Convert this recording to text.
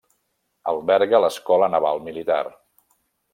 Alberga l'Escola Naval Militar.